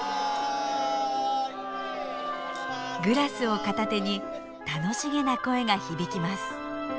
グラスを片手に楽しげな声が響きます。